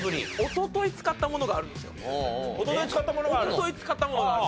おととい使ったものがある？